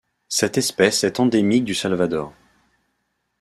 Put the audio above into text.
Cette espèce est endémique du Salvador.